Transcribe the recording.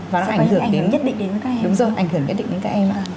và nó sẽ ảnh hưởng đến các em